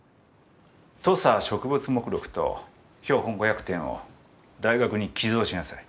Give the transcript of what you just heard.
土佐植物目録と標本５００点を大学に寄贈しなさい。